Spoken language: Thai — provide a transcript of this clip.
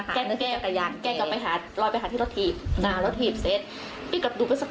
ฟังลูกแรกจะลอยจากทางนี้คือเราเอาลอยจากกระยานของแกจอดตรงนี้แกกลับไปหาลอยที่รถทีบเสร็จ